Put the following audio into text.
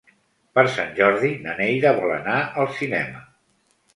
Per Sant Jordi na Neida vol anar al cinema.